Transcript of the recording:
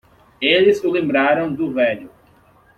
Eles o lembraram do velho.